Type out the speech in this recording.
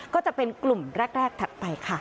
ก็จะเป็นกลุ่มแรกถัดไปค่ะ